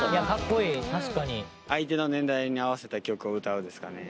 相手の年代に合わせた曲を歌うですかね。